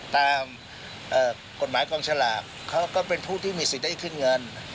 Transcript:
ตามกฎหมายกองฉลากเขาก็เป็นผู้ที่มีสิทธิ์ได้ขึ้นเงิน